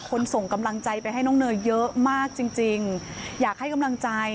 ส่งกำลังใจไปให้น้องเนยเยอะมากจริงจริงอยากให้กำลังใจ